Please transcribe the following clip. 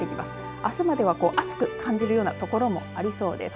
あすまでは暑く感じるような所もありそうです。